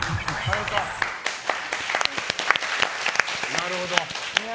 なるほど。